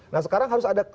nah sekarang harus ada